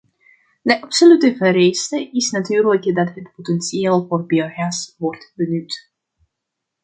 De absolute vereiste is natuurlijk dat het potentieel voor biogas wordt benut.